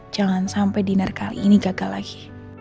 jangan sampai dinner kali ini gagal lagi